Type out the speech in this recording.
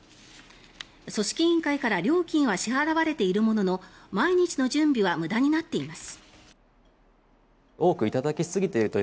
組織委員会から料金は支払われているものの毎日の準備は無駄になっています。